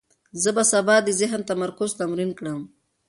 زه به سبا د ذهن تمرکز تمرین کړم.